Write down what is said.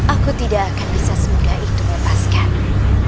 aku tidak akan bisa semoga itu mepaskanmu